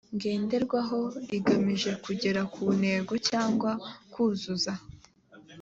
ngenderwaho igamije kugera ku ntego cyangwa kuzuza